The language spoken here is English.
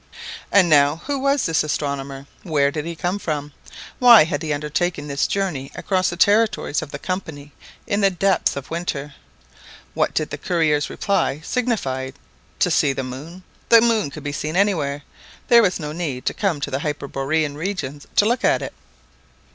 And now who was this astronomer? Where did he come from? Why had he undertaken this journey across the territories of the Company in the depth of winter? What did the courier's reply signify?— To see the moon! The moon could be seen anywhere; there was no need to come to the hyperborean regions to look at it!